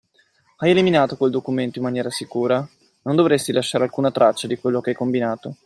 Hai eliminato quel documento in maniera sicura? Non dovresti lasciare alcuna traccia di quello che hai combinato.